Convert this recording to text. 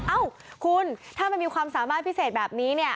เอ้าคุณถ้ามันมีความสามารถพิเศษแบบนี้เนี่ย